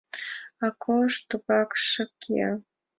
Акош тугак шып кия.